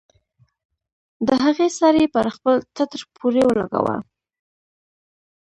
د هغې سر يې پر خپل ټټر پورې ولګاوه.